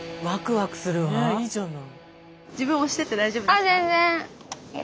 ねいいじゃない。